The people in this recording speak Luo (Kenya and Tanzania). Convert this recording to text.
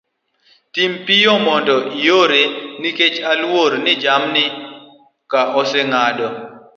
tim piyo mondo iore nikech aluor ni jamni na oseng'ado